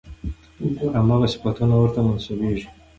همغه صفتونه ورته منسوبېږي.